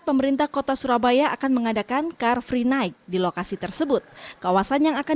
pemerintah kota surabaya akan mengadakan car free night di lokasi tersebut kawasan yang akan